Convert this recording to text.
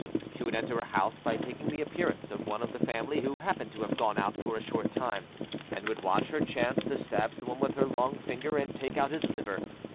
She would enter a house by taking the appearance of one of the family who happened to have gone out for a short time, and would watch her chance to stab some one with her long finger and take out his liver.